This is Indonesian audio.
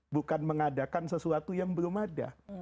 bukan mengadakan sesuatu yang belum ada